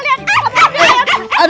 nih kamu lihat